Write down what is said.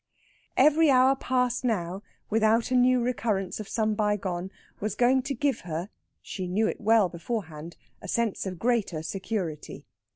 Every hour passed now, without a new recurrence of some bygone, was going to give her she knew it well beforehand a sense of greater security.